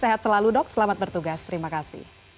sehat selalu dok selamat bertugas terima kasih